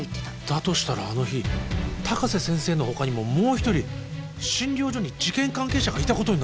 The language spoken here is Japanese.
だとしたらあの日高瀬先生の他にももう一人診療所に事件関係者がいたことになる。